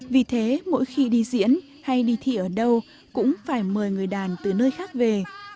vì thế mỗi khi đi diễn hay đi thi ở đâu cũng phải mời người đàn từ nơi khác về